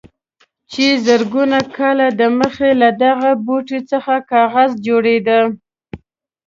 چې زرګونه کاله دمخه له دغه بوټي څخه کاغذ جوړېده.